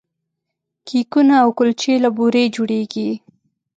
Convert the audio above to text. کیکونه او کلچې له بوري جوړیږي.